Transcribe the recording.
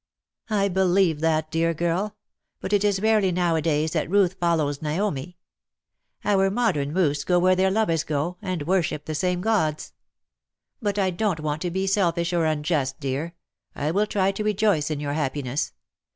^^'' I believe that, dear girl ; but it is rarely now a days that Ruth follows Naomi. Our modern lluths go where their lovers go, and worship the same gods, k2 V]2 ^THE SILVER ANSWER RANG, But I don^t want to be selfisli or unjust^ dear. I will try to rejoice in your happiness.